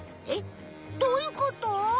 えっどういうこと？